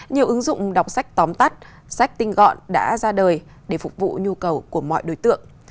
nhiều ứng dụng đọc sách tóm tắt sách tinh gọn đã ra đời để phục vụ nhu cầu của mọi đối tượng